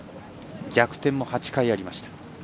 逆転も８回ありました。